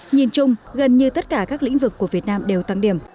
nhìn chung gần như tất cả các lĩnh vực của việt nam đều tăng điểm